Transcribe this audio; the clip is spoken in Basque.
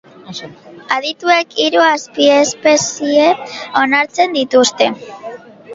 Adituek hiru azpiespezie onartzen dituzte.